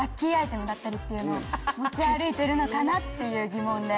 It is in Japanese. だったりっていうのを持ち歩いてるのかなっていう疑問で。